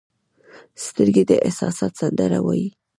سترګې د احساسات سندره وایي